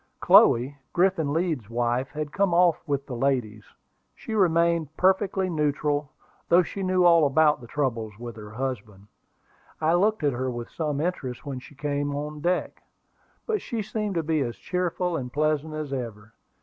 Chloe, Griffin Leeds's wife, had come off with the ladies. She remained perfectly neutral, though she knew all about the troubles with her husband. I looked at her with some interest when she came on deck; but she seemed to be as cheerful and pleasant as ever.